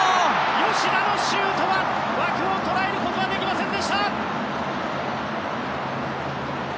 吉田のシュートは枠を捉えることはできませんでした！